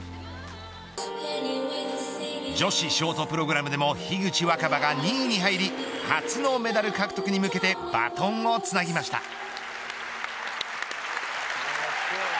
女子ショートプログラムでも樋口新葉が２位に入り初のメダル獲得に向けてバトンをつなぎました。